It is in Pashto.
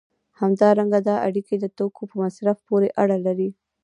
همدارنګه دا اړیکې د توکو په مصرف پورې اړه لري.